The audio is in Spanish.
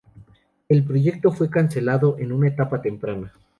El proyecto fue cancelado en una etapa temprana.